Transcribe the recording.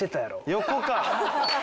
横か！